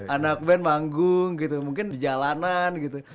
anak band manggung gitu mungkin di jalanan gitu